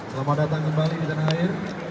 selamat datang kembali di tanah air